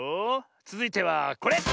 つづいてはこれ！